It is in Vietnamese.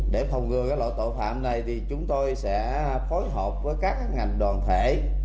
để phòng ngừa loại tội phạm này thì chúng tôi sẽ phối hợp với các ngành đoàn thể